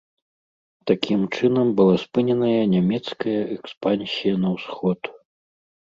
Такім чынам была спыненая нямецкая экспансія на ўсход.